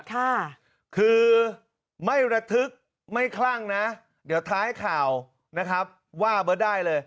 ค่ะคือไม่ระทึกไม่คลั่งนะเดี๋ยวท้ายข่าวนะครับว่าเบิร์ตได้เลย